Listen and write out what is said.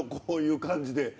こういう感じで。